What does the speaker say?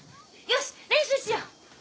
よし練習しよう。